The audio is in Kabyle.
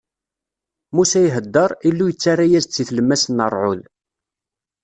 Musa iheddeṛ, Illu yettarra-as-d si tlemmast n ṛṛɛud.